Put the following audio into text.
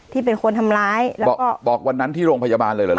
ที่เป็นคนทำร้ายแล้วบอกวันนั้นที่โรงพยาบาลเลยเหรอนะ